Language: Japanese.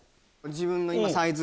自分のサイズ